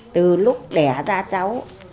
từ lúc đẻ ra cháu